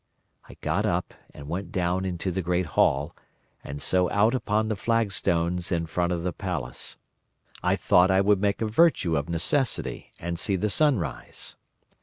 I got up, and went down into the great hall, and so out upon the flagstones in front of the palace. I thought I would make a virtue of necessity, and see the sunrise.